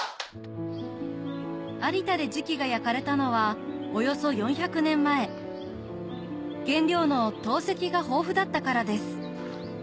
有田で磁器が焼かれたのはおよそ４００年前原料の陶石が豊富だったからです